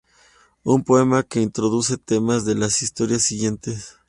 Un poema que introduce temas de las historias siguientes.